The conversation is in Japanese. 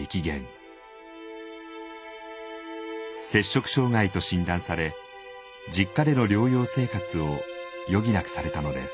摂食障害と診断され実家での療養生活を余儀なくされたのです。